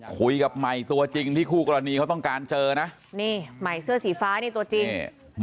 คุยกับใหม่ตัวจริงที่คู่กรณีเขาต้องการเจอนะนี่ใหม่เสื้อสีฟ้านี่ตัวจริง